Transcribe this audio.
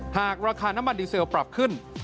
หากราคาน้ำมันดีเซลปรับขึ้น